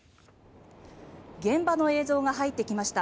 現場の映像が入ってきました。